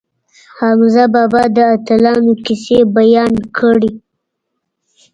حمزه بابا د اتلانو کیسې بیان کړې.